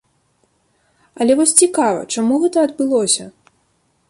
Але вось цікава, чаму гэта адбылося?